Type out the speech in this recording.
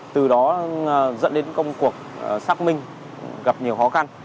từ đó dẫn đến công cuộc xác minh gặp nhiều khó khăn